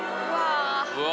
うわ